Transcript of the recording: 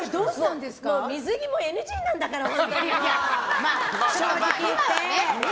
もう水着もＮＧなんだから本当にもう！